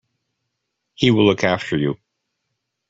He will look after you.